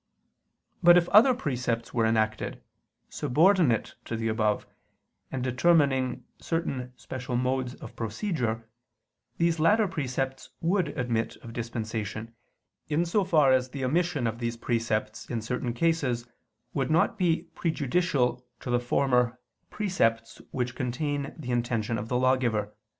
But if other precepts were enacted, subordinate to the above, and determining certain special modes of procedure, these latter precepts would admit of dispensation, in so far as the omission of these precepts in certain cases would not be prejudicial to the former precepts which contain the intention of the lawgiver.